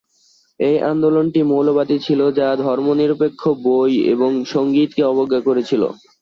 এই আন্দোলনটি মৌলবাদী ছিল, যা ধর্মনিরপেক্ষ বই এবং সংগীতকে অবজ্ঞা করেছিল।